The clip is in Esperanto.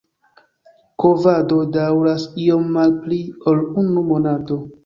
Kovado daŭras iom malpli ol unu monato.